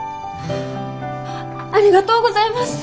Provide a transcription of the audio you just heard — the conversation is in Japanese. ありがとうございます！